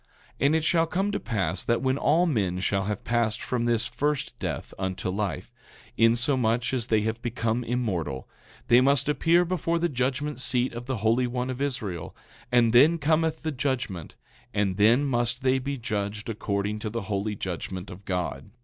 9:15 And it shall come to pass that when all men shall have passed from this first death unto life, insomuch as they have become immortal, they must appear before the judgment seat of the Holy One of Israel; and then cometh the judgment, and then must they be judged according to the holy judgment of God.